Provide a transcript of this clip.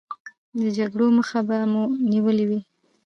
د جګړو مخه به مو نیولې وي.